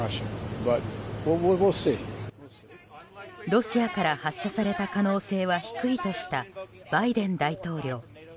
ロシアから発射された可能性は低いとしたバイデン大統領。